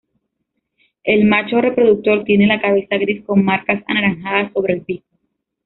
El macho reproductor tiene la cabeza gris con marcas anaranjadas sobre el pico.